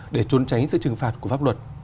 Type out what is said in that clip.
để trốn tránh sự trừng phạt của pháp luật